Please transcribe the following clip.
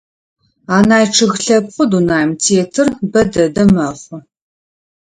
Анай чъыг лъэпкъэу дунаим тетыр бэ дэдэ мэхъу.